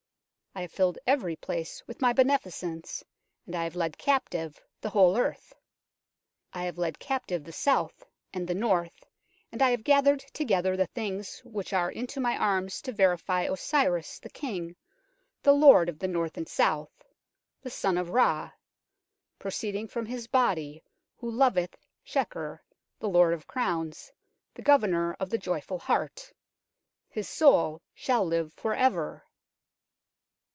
I have filled every place with my beneficence, and I have led captive the whole earth ; I have led captive the South and the North, and I have gathered together the things which are into my arms to vivify Osiris, the King, the Lord of the North and South, the Son of Ra, proceeding from his body, who loveth Seker, the Lord of Crowns, the Governor of the joyful heart. His soul shall live for ever